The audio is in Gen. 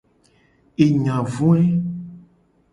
Enya voe.